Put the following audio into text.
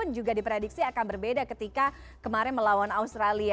juga diprediksi akan berbeda ketika kemarin melawan australia